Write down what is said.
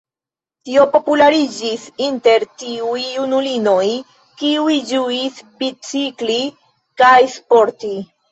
Tio populariĝis inter tiuj junulinoj, kiuj ĝuis bicikli kaj sporti.